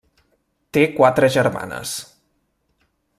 Té quatre germanes.